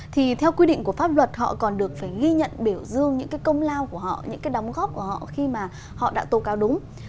thì theo quy định của pháp luật họ còn được phải ghi nhận biểu dương những cái công lao của họ những cái đóng góp của họ khi mà họ đã tố cáo đúng